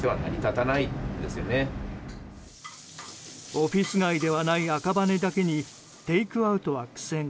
オフィス街ではない赤羽だけにテイクアウトは苦戦。